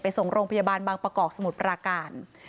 ส่งโรงพยาบาลบางประกอบสมุทรปราการ